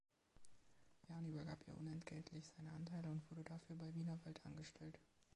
Jahn übergab ihr unentgeltlich seine Anteile und wurde dafür bei Wienerwald angestellt.